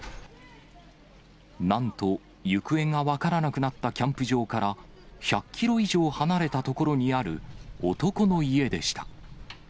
なんと、行方が分からなくなったキャンプ場から、１００キロ以上離れた所にある男の家でした。